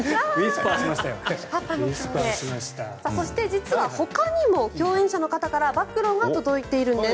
そして実はほかにも共演者の方から暴露が届いているんです。